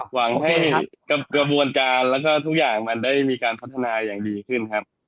หวังให้กระบวนการแล้วก็ทุกอย่างมันได้มีการพัฒนาอย่างดีขึ้นครับ